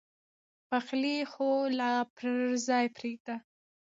پخلی خو لا پر ځای پرېږده.